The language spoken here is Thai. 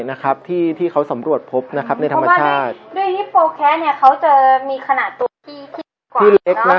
นะครับที่ที่เขาสำรวจพบนะครับในธรรมชาติด้วยโอเคเขาจะมีขนาด